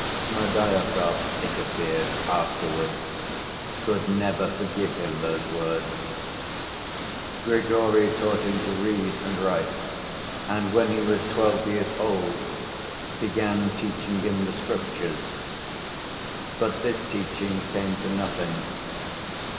Smerdyakov, it appeared afterwards, could never forgive him those words. Grigory taught him to read and write, and when he was twelve years old, began teaching him the Scriptures. But this teaching came to nothing.